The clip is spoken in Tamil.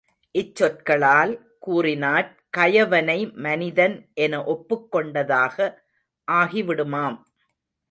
இச் சொற்களால் கூறினாற் கயவனை மனிதன் என ஒப்புக்கொண்டதாக ஆகிவிடுமாம்.